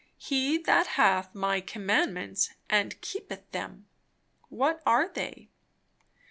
"He that hath my commandments and keepeth them" what are they?